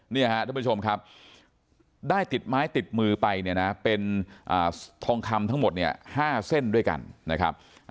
ท่านผู้ชมครับได้ติดไม้ติดมือไปเนี่ยนะเป็นทองคำทั้งหมดเนี่ย๕เส้นด้วยกันนะครับ